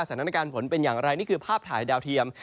สถานการณ์ฝนเป็นอย่างไรนี่คือภาพถ่ายดาวเทียม